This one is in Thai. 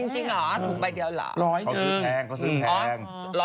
จริงเหรอถูกใบเดียวเหรอ